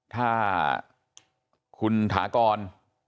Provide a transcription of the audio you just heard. ถ้าคุณถากร